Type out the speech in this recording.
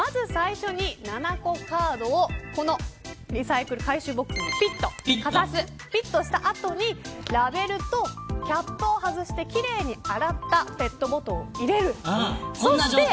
まず最初にｎａｎａｃｏカードをリサイクル回収ボックスにかざすその後に、ラベルとキャップを外して、奇麗に洗ったペットボトルを入れる。